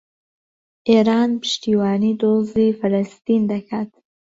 ئێران پشتیوانیی دۆزی فەڵەستین دەکات.